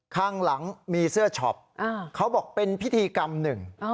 ข้างหลังมีเสื้อช็อปเขาบอกเป็นพิธีกรรมหนึ่ง